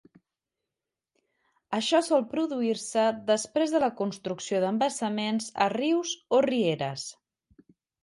Això sol produir-se després de la construcció d'embassaments a rius o rieres.